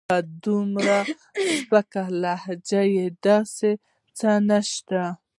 په دومره سپکه لهجه داسې څه نشته.